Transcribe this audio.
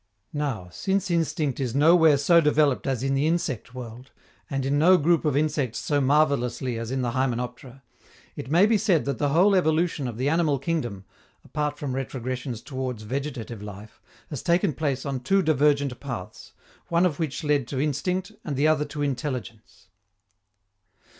Now, since instinct is nowhere so developed as in the insect world, and in no group of insects so marvelously as in the hymenoptera, it may be said that the whole evolution of the animal kingdom, apart from retrogressions towards vegetative life, has taken place on two divergent paths, one of which led to instinct and the other to intelligence.